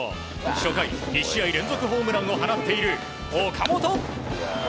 初回、２試合連続ホームランを放っている岡本。